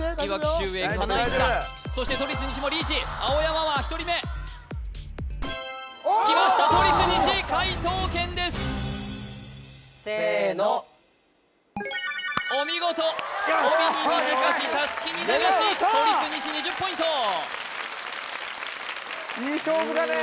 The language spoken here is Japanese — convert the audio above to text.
秀英金井きたそして都立西もリーチ青山は１人目きました都立西解答権ですせーのお見事おびにみじかしたすきにながし都立西２０ポイント・いい勝負だねえ・